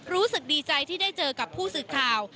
รู้สึกดีใจที่ได้เจอกับผู้สื่อข่าว